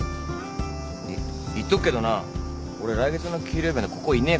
いっ言っとくけどな俺来月の給料日までここいねえから。